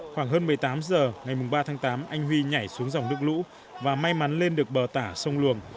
khoảng hơn một mươi tám h ngày ba tháng tám anh huy nhảy xuống dòng nước lũ và may mắn lên được bờ tả sông luồng